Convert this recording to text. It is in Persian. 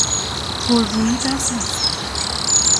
پررویی بس است!